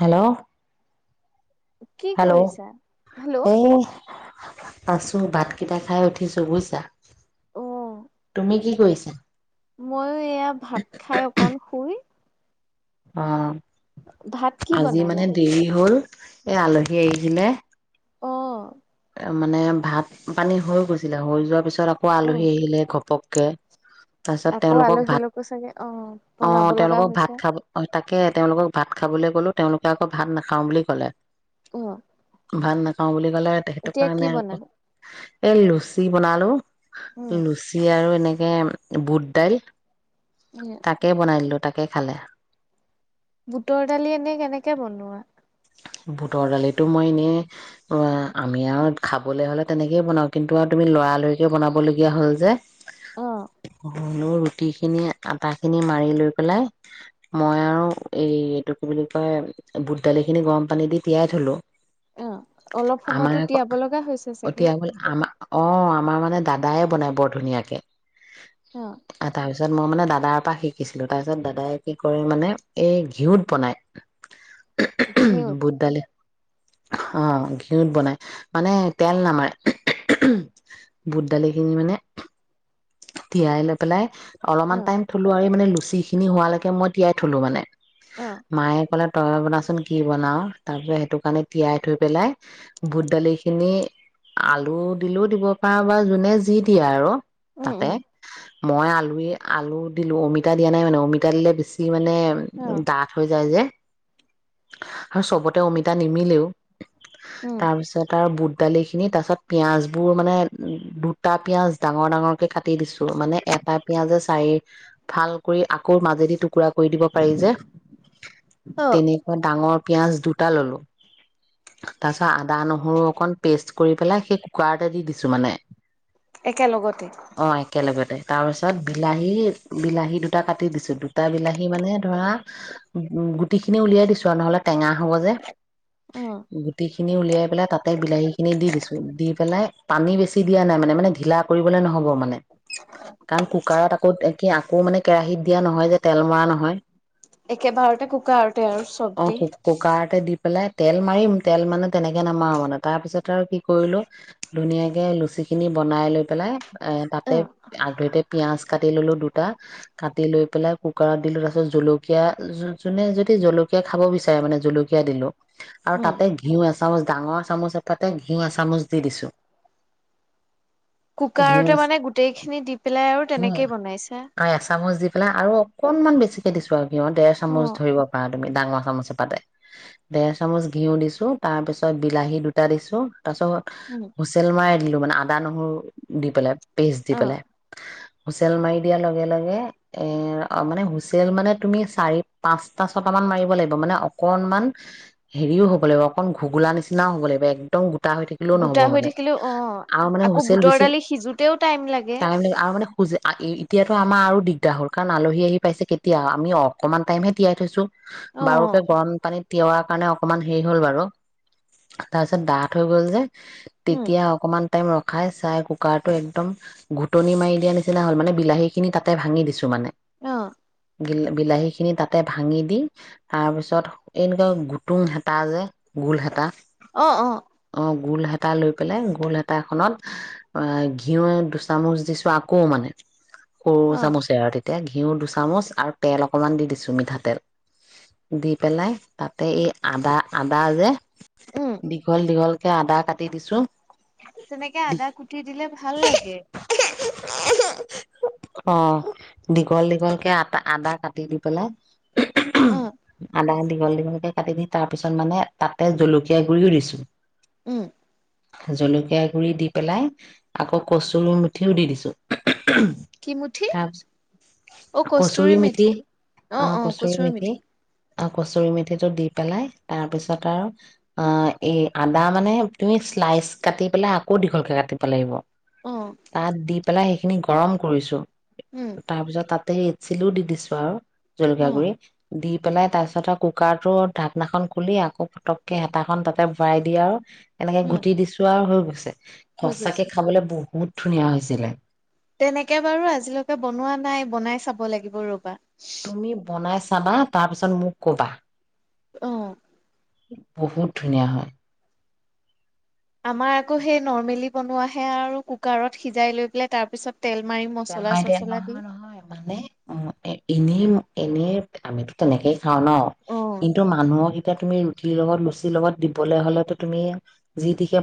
Hello. কি hello. কৰিছা? Hello. এই আছো ভাতকেইটা খাই উঠিছো বুইছা! তুমি কি কৰিছা? মই এয়া ভাত খাই অকন শুই [unintelligible] ভাত কি আজি বনালা? মানে দেৰি হ'ল। এ আলহী আহিছিলে অ'। মানে ভাত-পানী হৈ গৈছিলে হৈ যোৱাৰ পিছত পিছত আকৌ আলহী অ', আহিলে ঘপক কে তাৰপিছত আকৌ তেওঁলোকক আলহী ভাত, লোকো চাগে অ', বনাব অ' লগা তেওঁলোকক হৈছে। ভাত খাব, অ' তাকে তেওঁলোকক ভাত খাবলৈ গ'লোঁ, তেওঁলোকে আকৌ ভাত নাখাওঁ বুলি ক'লে। অ'। ভাত নাখাওঁ বুলি কলে তেখে এতিয়া টোকানে কি আক' বনালা? এ লুচি বনালো। উম, লুচি আৰু এনেকে এ বুটদাইল সেয়া তাকে বনাই দিলোঁ তাকে কে খালে বুটৰ দালি এনেই কেনেকে বনোৱা? বুটৰ দালিত এইটো মই এনেই, অ' আমি আৰু খাবলৈ হ'লে তেনেকেই বনাও কিন্তু আৰু তুমি লৰালৰিকে বনাবলগীয়া হ'ল যে! অ' ধনু ৰুটি খিনি আটা খিনি মাৰি লৈ পেলাই মই আৰু এই এইটো কি বুলি কয় বুট দালি খিনি গৰম পানী দি তিয়াই থলোঁ। অ', অলপ সময়তো তিয়াব লগা হৈছে চাগে? [unintelligible] দাদায়ে বনায় বৰ ধুনীয়াকে অ', আ তাৰপিছত মই মানে দাদাৰ পৰা শিকিছিলো তাৰপিছত দাদাই কি কৰে মানে, এই ঘিউত বনায়! ঘিঁউত অ' ঘিঁউত বনায়, মানে তেল নামাৰে। বুট দালিখিনি মানে, তিয়াই লৈ পেলাই অলমান অ', টাইম থ'লো মানে লুচিখিনি হোৱালৈকে মই তিয়াই থ'লো মানে! অ', মায়ে ক'লে তইয়ে বনাচোন কি বনাওঁ তাৰপিচত সেইটো কাৰণে তিয়াই থৈ পেলাই বুট দালি খিনি আলু দিলেও দিব পাৰা বা যোনে যি দিয়ে আৰু উম, তাতে, উম, মই আল আৰু এই আলু দিলোঁ, অমিতা দিয়া নাই মানে অমিতা দিলে বেছি মানে অ', ডাঠ হৈ যায় যে আৰু চবতে অমিতা নিমিলেও। উম, তাৰপিছত আৰু বুট দালিখিনি তাৰ পাছত পিয়াঁজবোৰ মানে দুটা পিয়াঁজ ডাঙৰ-ডাঙৰ কাটি দিছো মানে এটা পিয়াজে চাৰি ভাল কৰি আক আকৌ মাজেদি টুকুৰা কৰি দিব পাৰি যে অ', তেনে ডাঙৰ পিয়াঁজ দুটা ললোঁ, তাপিছত আদা-নহৰু অকণ পেষ্ট কৰি পেলাই সেই কুকাৰতে দি দিছো মানে। একেলগতে তাৰ পাছত বিলাহী, বিলাহী দুটা কাটি কাটি দিছোঁ দুটা বিলাহী মানে ধৰা, গুটিখিনি উলিয়াই দিছোঁ [unintelligible] টেঙা হ'ব যে, অ', গুটি খিনি উলিয়াই পেলাই তাতে বিলাহীখিনি দি দিছোঁ। দি পেলাই পানী বেছি দিয়া নাই মানে-মানে ঢিলা কৰিবলে নহ'ব মানে। কাৰণ কুকাৰত আকৌ একে আকৌ মানে কেৰাহিত দিয়া নহয় যে তেল মৰা নহয়। একেবাৰতে কুকাৰতে আৰু চব অ' দি কুকাৰতে দি পেলাই তেল মাৰিম, তেল মানে তেনেকে নামাৰো মানে তাৰপিছত আৰু কি কৰিলো ধুনীয়াকে লুচিখিনি বনাই লৈ পেলাই। এ' তাতে অ', আগধৰিতে পিয়াঁজ কাটি ললো দুটা। কাটি লৈ পেলাই কুকাৰত দিলো তাৰ পিছত জলকীয়া যোনে যদি জলকী কিবা খাব বিচাৰে মানে জলকীয়া দিলোঁ। আৰু উম। তাতে ঘিঁউ এচামুচ ডাঙৰ চামুচ এফাতে ঘি ঘিঁউ এচামুচ দি দিছোঁ। কুকাৰতে মানে গোটেইখিনি দি পেলাই আৰু তুমি তেনেকেই বনাইছে। অ এচামুচ দি আৰু অকনমান বেছিকে দিছো আৰু। ডেৰ চামুচ অ', ধৰিব পাৰা। তুমি ডাঙৰ চামুচে এপাতে, দেৰ চামুচ ঘিউ দিছো তাৰ পিছত বিলাহী দুটা দিছো। উম। [unintelligible] দিলোঁ মানে আদা নহৰু দি পেলাই, পেষ্ট দি অ' পেলাই। হুইচেল মাৰি দিয়া লগে-লগে এ মানে হুইচেল মানে তুমি চাৰি-পাঁচটা ছটামান মাৰিব লাগিব মানে অকনমান, হেৰিও হ'ব লাগিব অকন ঘুগলা নিচিনাও হ'ব লাগিব একদম গোট গোটা হৈ থাকিলেও নহ'ব গোটা হৈ মানে। থাকিলেও অ' আৰু মানে আকৌ হুইচেল বুটৰ বেছি, দালি সিজোতেও টাইম লাগে। টাইম লাগিব আৰু মানে হু এতিয়াতো মাৰ আৰু দিগদাৰ হ'ল, কাৰণ আলহী আহি পাইছে কেতিয়া? আমি অকনমান টাইমহে তিয়াই থৈছোঁ। বাৰুকে অ', গৰমপানীত তিওৱা কাৰণে অক অকমান হেৰি হ'ল বাৰু, তাৰপিছত ডাঠ হৈ গ'ল যে? উম। তেতিয়া অকমান টাইম ৰখাই চাই কুকাৰটো একদম ঘুটনি মাৰি দিয়া নিচিনা হ'ল। মানে বিলাহী খিনি তাতে ভাঙি দিছো মানে। অ' বিলাহীখিনি তাতে ভাঙি দি তাৰপিছত এনেকুৱা গুটুং হেতা যে? গোল হেতা? অ' অ'। অ গোল হেতা লৈ পেলাই গোল হেতাখনত ঘিঁউ দুচামুচ দিছোঁ আকৌ মানে। সৰু অ' চামুচেৰে আৰু তেতিয়া ঘি ঘিউ দুচামুচ আৰু তেল অকণমান দি দিছোঁ মিঠাতেল। দি পেলাই তাতে এই আদা-আদা যে। উম দীঘল দীঘল আদা কাটি দিছোন তেনেকে আদা কুটি দিলে ভাল লাগে অ দীঘল দীঘলকে আদ আদা কাটি দি পেলাই অ' আদা দীঘল দীঘলকে কাটি দি তাৰ পিছত মানে তাতে জলকীয়া গুৰিও দিছো উম জলকীয়া গুৰি দি পেলাই আকৌ কচুৰ মুঠিও দি দিছোঁ কি মুঠি অ কচুৰি কস্তুৰী মিঠি মেঠি অ অ কচুৰ মেঠি কচৰি মেথিটো দি পেলাই তাৰপিছত আৰু এই আদা মানে তুমি শ্লাইচ কাটি পেলাই আকৌ দীঘলকৈ কাটিব লাগিব অ' তাত দি্বপ পেলাই সেইখিনি গৰম কৰিছো উম তাৰপিছত তাত তাতে ৰেডচিলো ও দি দিছোঁ আও জলকীয়া অ' গুৰি দিপ পেলাই তাৰ পিছত আৰু কুকাৰ টো ঢাকনাখন খুলি আকৌ পটককে হেতাখন তাতে ভৰাই দিয়ে আৰু এনেকে গুটি দিছো আৰু হৈ গ'ল আছে ৰ গৈছে লে বহুত ধুনীয়া হৈছিলে তেনেকে বাৰু আজিলৈকে বনোৱা নাই বনাই চাব লাগিব ৰবা তুমি বনাইছা চাবা তাৰ পিছত মোক কবা আহ বহুত ধুনীয়া হয় আমাৰ আকৌ সেই নৰৰ্মেলি বনোৱাাহে আৰু কুকাৰত সিজাই লৈ পাই তাৰপিছত তেল মাৰিলে নহয় নহয় মানে উ এ এনেই এনেই আমিতো তেনেকেই খাও ন কিন্তু মানুহৰ এতিয়া তুমি ৰুটিৰ লগত লৰুচিৰ লগত দিবলৈ হলেতো তুমি যিতি কে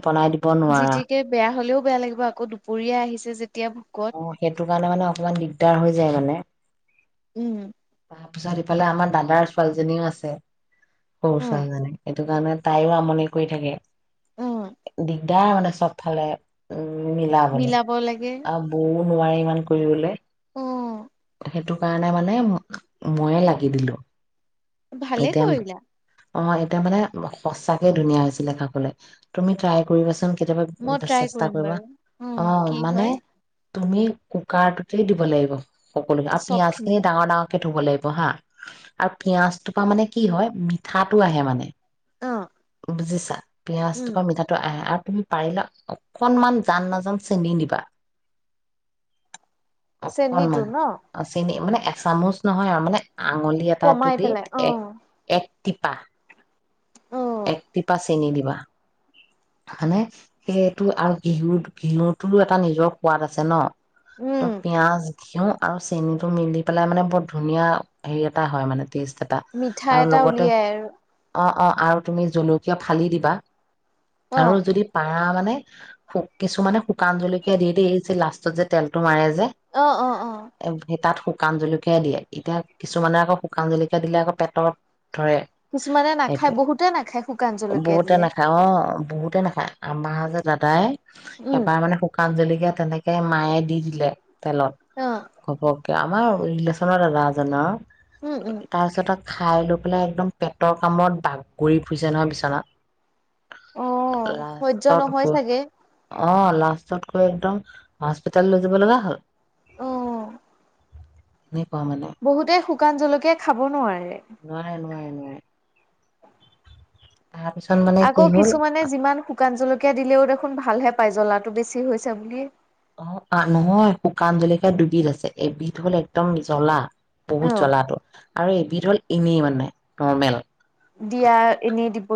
জিতিকে বেয়া হলেও বেয়া লাগিব আকৌ দুপৰীয়া আহিছে যেতিয়া ভোকত অ সেইটো কাৰণে মানে অকমান দিগদাৰ হৈ যায় মানে উম তাৰপিছত ইফালে আমাৰ দাদাৰ ছোৱালীজনীও আছে সৰু ছোৱালীজনী সেইটো কাৰণে তাইও আমনি কৰি থাকে দিগদাৰ মানে চবফালে উ মিলাব লাগে ক নোৱাৰে ইমান কৰিবলে অ সেইটো কাৰণে মানে ম ময়ে লাগি দিলোঁ। ভালে কৰিলা। অ এতিয়া মানে সঁচাকে ধুনীয়া হৈছিলে খাবলে। তুমি ট্ৰাই কৰিবাচোন। কেতিয়াবা মই ট্ৰাই চেষ্টা কৰিম কৰিবা। বাৰু অ কি মানে হয় তুমি কুকাৰটোতেই দিব লাগিব। সকলোখিনি আৰু চব পিয়াজখিনি খিনি ডাঙৰ ডাঙৰকে থ'ব লাগিব হা আৰু পিয়াঁজটোৰপৰা মানে কি হয় মিঠাটো আহে মানে! অ বুজিছা উম পিয়াজটোৰপৰা মিঠাটো আহে আৰু। তুমি পাৰিলে অকনমান জান নাজান চেনি দিবা। চেনীটো অকণমান, ন অ চেনি মানে এচামুচ নহয় আৰু মানে আঙুলি এটাটো কমাই দি পেলাই অ এক এক টিপা অ একটিপা চে চেনি দিবা, মানে সেইটো আৰু ঘিঁউ ঘিঁউটোৰো এটা নিজৰ সোৱাদ আছে ন? ত উম পিয়াঁজ ঘিউ আৰু চেনীটো মিলি পেলাই মানে বৰ ধুনীয়া হেৰি এটা হয় মানে। টেষ্ট এটা মিঠা আৰু এটা লগতে উলিয়াই আৰু অ অ আৰু তুমি জলকীয়া ফালি দিবা। অ আৰু যদি পাৰা মা মানে শু কিছুমানে শুকান জলকীয়া দি এইযে লাষ্টত যে তেলটো মাৰে যে অ অ অ স যে এ তাত শু। শুকান জলকীয়া দিয়ে, এতিয়া কিছুমানে আকৌ শুকান জলকীয়া দিলে আকৌ পেটৰ কিছুমানে নাখায়। বহুতে নাখায় শুকান জলকীয়া দিলে। বহুতেই নাখায়। আমাৰ যে দাদাই উম। এবাৰ মানে শুকান জলকীয়া তেনেকে মায়ে দি দিলে তেলত অ', ঘপক আমাৰ ৰিলেশচনৰ দাদা এজনৰ উম, উম, তাৰপিছত আকৌ খাই লৈ পেলাই একদম পেটৰ কামোৰত বাগৰি ফুৰিছে নহয় বিচনাত। অ' সহ্য লাষ্টত নহয় গৈ চাগে? অ, লাষ্টতকৈ একদম হস্পিটাল লৈ যাব লগা হ'ল। অ'। এনেকুৱা মানে বহুতে শুকান জলকীয়া খাব নোৱাৰে। ও মানে কি আকৌ হ'ল কিছুমানে যিমান শুকান জলকীয়া দিলেও দেখোন ভা ভালহে পায় জ্বলাটো বেছি হৈছে বুলি। অ' আ- নহয়, শুকান জলকী‌য়া দুবিধ আছে। এবিধ হ'ল একদম জ্বলা বহুত অ', জলাটো। আৰু এবিধ হ'ল এনেই মানে, নৰ্মেল। দিয়াৰ এনে দিব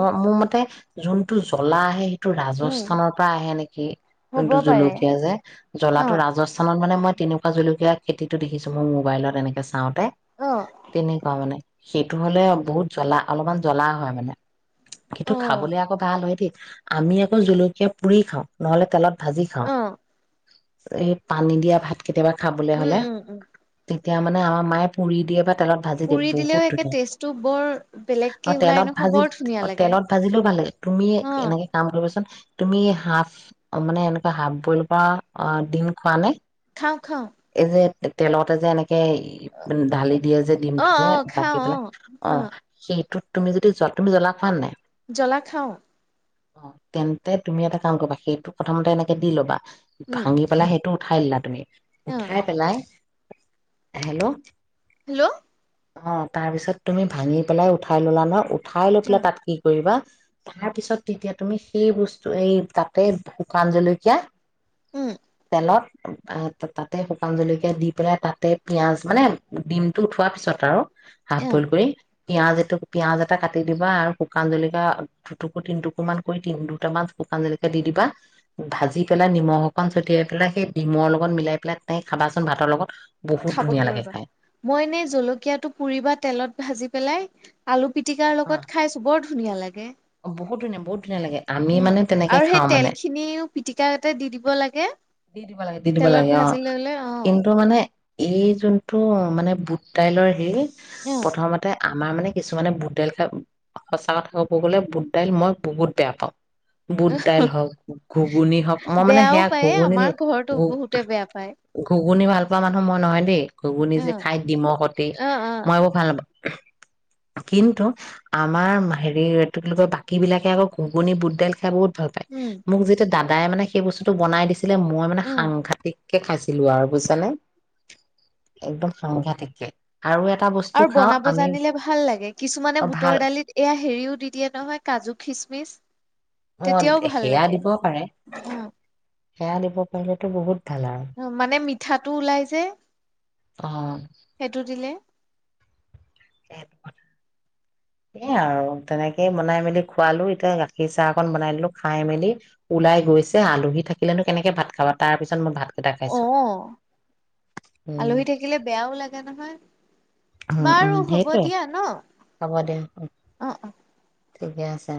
অ' মোৰ মতে যোন তো জ্বলাহে টো উম, ৰাজস্থানৰ পৰা আহে নেকি? হ'ব যোনটো পাৰে জলকীয়া যে? জ্বলাটো অ', ৰাজস্থানত মানে মই তেনেকুৱা জলকীয়া খেতিটো দেখিছোঁ মই। মোবাইলত এনেকৈ চাওঁ তে অ', তেনেকুৱা মানে। সেইটো হ'লে বহুত জ্বলা- অলপমান জ্বলা হয় মানে। অ', সেইটো অ'। খাবলে আকৌ ভাল হয় দেই। আমি আকৌ জুলকীয়া পুৰি খাওঁ। নহলে তেলত ভাজি খাওঁ। এই পানী দিয়া ভাত কেতিয়াবা খাবলৈ উম, হলে উম, উম, তেতিয়া মানে আমাৰ মায়ে পুৰি দিয়ে বা তেলত ভাজি দিয়ে পুৰি বহুত দিলেও একে ধুনীয়া টেষ্টটো বৰ অ বেলেগকে তেলত ওলাই নহয়, ভাজি বৰ ধ তেলত ভাজিলেও ভাল লাগে। তুমি অ', এনেকে কাম কৰিবাচোন তুমি হাফ মানে এনেকুৱা হাফ বইল কৰা ডিম খোৱা নে? খাওঁ খাওঁ এই যে তেলতে যে এনে ঢালি দিয়ে যে অ ডিমটোতে অ বাকী খাওঁ অ পেলাই, অ সেইটোত তুমি যদি জ- তুমি জ্বলা [unintelligible] জ্বলা খাওঁ। অ' তেন্তে তুমি এটা কাম কৰিবা। সেইটো প্ৰথমতে এনেকে দি ল'বা উম ভাঙি পেলা সেই তো উঠাই দিলা তুমি অ উঠাই পেলাই হেল্ল'? হেল্ল'? অ' তাৰ পিছত তুমি ভাঙি পেলাই উঠাই ল'লা ন'? উ খাই লৈ অ পেলাই তাত কি কৰিবা তাৰ পিছত তেতিয়া তুমি সেই বস্তু এই তাতে শুকান জলকীয়া উম তেলত আ- ত- তাতে শুকান জলকীয়া দি পেলাই তাতে পিঁয়াজ মানে, ডিমটো উঠোৱাৰ পিছত আৰু। হাফ অ বইল কৰি পিয়াজ এটো- পিয়াজ এটা কাটি দিবা আৰু শুকান জলকীয়া দুটুকুৰ- তিনটুকুৰমান কৰি তিন- দুটামান শুকান জলকীয়া দি দিবা। ভাজি পেলাই নিমখ অকণ ছটিয়াই পেলাই সেই ডিমৰ লগত মিলাই পেলাই তেনেতে খাবাচোন ভাতৰ লগত। বহুত খাব ধুনীয়া লাগিব লাগে ৰ'বা। খাই মই নে জলকীয়াটো পুৰি বা তেলত ভাজি পেলাই আলু পি পিতিকাৰ অ লগত খাইছোঁ। বৰ ধুনীয়া লাগে। অ', বহুত ধুনীয়া বহুত ধুনীয়া লাগে আমি উম মানে তেনেকে আৰু সেই খাওঁ মানে তেলখিনিও পিটিকাতে দি দিব লাগে। দি দিব লাগে- দি দিব তেলত লাগে, ভাজি অ'। ললে অ কিন্তু মানে এই যোনটো মানে বুট-দাইলৰ হেৰি অ প্ৰথমতে আমাৰ মানে কিছুমানে বুট দাইল খাই- সঁচা কথা কব গ'লে, বুট দাইল মই বহুত বেয়া পাওঁ। বুট-দাইল হওঁক, ঘুগুনী হওঁক, মই মানে বেয়াও সেয়া পায় আমাৰ ঘুগুনি- ঘৰতো ঘু- বহুতে বেয়া পায় ঘুগুনি ভাল [unintelligible] মানুহ মই নহয় দেই। অ ঘুগুনিযে খায় ডিমৰ সতে, অ অ মই এইবোৰ ভাল নাপাওঁ। কিন্তু আমাৰ হেৰি- ইটো কি বুলি কয়- বাকী বিলাকে আকৌ ঘুগুনি, বুট-দাইল খাই বহুত ভাল পায়। উম মোক যেতিয়া দাদাই মানে সেই বস্তুটো বনাই দি মই মানে অ সাংঘাতিক কে খাইছিলো আৰু বুইছা নে? একদম সাংঘাতিক কে। আৰু বনাব জানিলে ভাল লাগে। কিছুমানে অ ভাল বুটৰ দালিত এয়া হেৰিও দি দিয়ে নহয়, কাজু খিচমিচ। তেতিয়াও ম- এ ভাল সেয়া লাগে দিব পাৰে। সেয়া দিব পাৰিলেতো বহুত ভাল আৰু অ' মানে মিঠাটো ওলাই যে, অ সেইটো দিলে। [unintelligible] এ আৰু তেনেকে বনাই মেলি খুৱালোঁ। এতিয়া গাখীৰ চাহ অকন বনাই দিলোঁ। খাই-মেলি ওলাই গৈছে। আলহী থাকিলেনো কেনেকে ভাত খাবা? তাৰ পিছত মই ভাত অ'। উম আলহী থাকিলে বেয়াও লাগে নহয়? উম উম বাৰু হ'ব সেইটোৱে দিয়া ন'? হ'ব দে অ ঠিকে আছে।